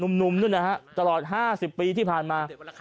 นุ่มด้วยนะครับตลอด๕๐ปีที่ผ่านมา